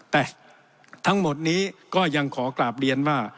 แต่ทั้งหมดนี้ก็ยังขอกราบเรียนว่า